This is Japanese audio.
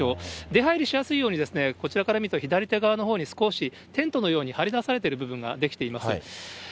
出はいりしやすいように、こちらから見ると左手側のほうに少しテントのように張りだされている部分が出来ています。